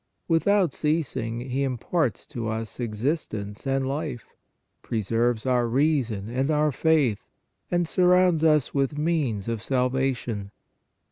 Without ceasing He imparts to us existence and life, preserves our rea son and our faith, and surrounds us with means of salvation.